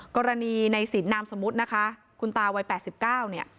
กรณีในสินนามสมมุตินะคะคุณตาวัย๘๙เนี่ย